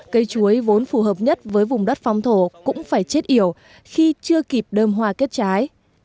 cây chuối vốn phù hợp nhất với vùng đất phong thổ cũng phải chết yểu khi chưa kịp đơm hoa kết trái